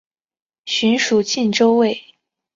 寻属靖州卫。